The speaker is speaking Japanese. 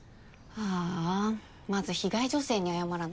ああまず被害女性に謝らないと。